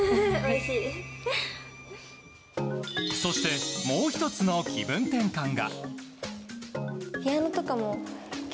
そして、もう１つの気分転換が。